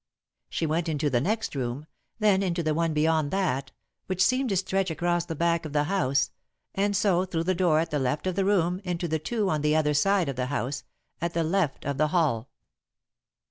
She went into the next room, then into the one beyond that, which seemed to stretch across the back of the house, and so through the door at the left of the room into the two on the other side of the house, at the left of the hall.